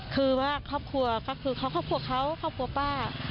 คือว่าครอบครัวก็คือเขาครอบครัวเขาครอบครัวป้า